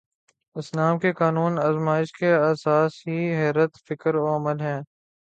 اسلام کے قانون آزمائش کی اساس ہی حریت فکر و عمل ہے۔